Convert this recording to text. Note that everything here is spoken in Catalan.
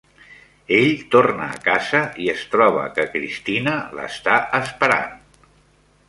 Ell torna a casa i es troba que Kristyna l'està esperant.